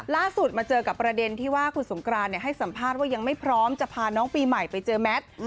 ล่าสุดมาเจอกับประเด็นที่ว่าคุณสงกรานให้สัมภาษณ์ว่ายังไม่พร้อมจะพาน้องปีใหม่ไปเจอแมท